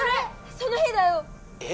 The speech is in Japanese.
その日だよ！え？